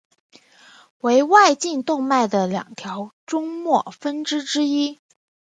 为外颈动脉的两条终末分支之一。